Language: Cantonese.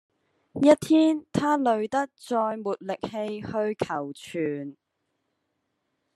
一天他累得再沒力氣去求存